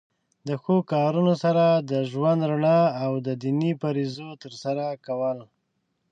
د ښو کارونو سره د ژوند رڼا او د دینی فریضو تر سره کول.